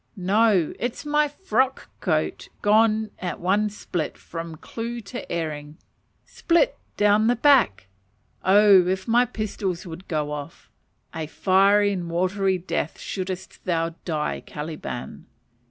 No, it is my frock coat gone at one split "from clue to earing" split down the back. Oh, if my pistols would go off, a fiery and watery death shouldst thou die, Caliban.